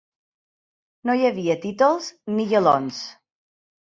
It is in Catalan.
No hi havia títols, ni galons